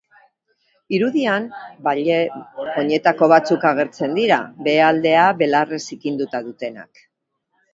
Irudian, ballet-oinetako batzuk agertzen dira, behealdea belarrez zikinduta dutenak.